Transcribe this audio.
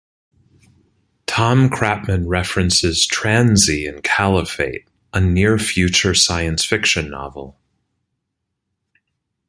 Tom Kratman references tranzi in "Caliphate", a near future science fiction novel.